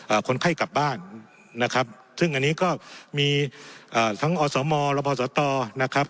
คนไข้กลับบ้านนะครับซึ่งอันนี้ก็มีอ่าทั้งอสมและพอสตนะครับ